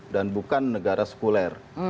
dan bukan negara sekuler